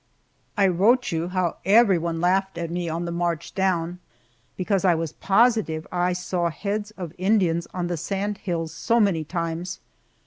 I wrote you how everyone laughed at me on the march down because I was positive I saw heads of Indians on the sand hills so many times.